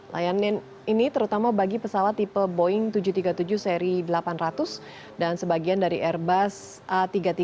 layanan ini terutama bagi pesawat tipe boeing tujuh ratus tiga puluh tujuh seri delapan ratus dan sebagian dari airbus a tiga ratus tiga puluh